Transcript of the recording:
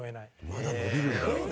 まだ伸びるんだ。